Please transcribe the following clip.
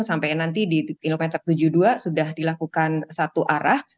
sampai nanti di kilometer tujuh puluh dua sudah dilakukan satu arah